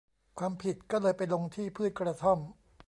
ความผิดก็เลยไปลงที่พืชกระท่อม